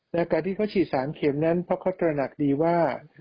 ในการที่เขาฉีด๓เข็มนั้นเพราะเขาตระหนักดีว่า